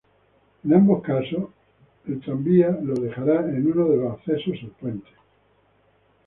En ambos casos el tranvía lo dejará en uno de los accesos al puente.